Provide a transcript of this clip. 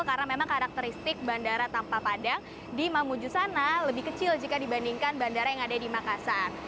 karena memang karakteristik bandara tanpa padang di mamuju sana lebih kecil jika dibandingkan bandara yang ada di makassar